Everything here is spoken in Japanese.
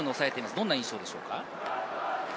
どんな印象でしょうか？